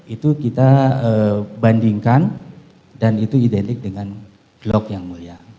itu kita bandingkan dan itu identik dengan glock yang mulia